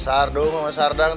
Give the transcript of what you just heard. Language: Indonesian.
sardung sama sardang